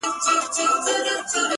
د جان نریو گوتو کښلي کرښي اخلمه زه-